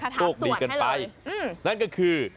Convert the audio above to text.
โชคดีกันไปนั่นก็คือ